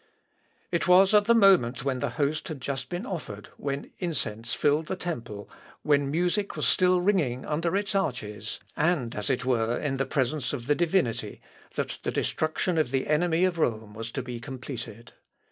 It was at the moment when the host had just been offered, when incense filled the temple, when music was still ringing under its arches, and, as it were, in the presence of the Divinity, that the destruction of the enemy of Rome was to be completed.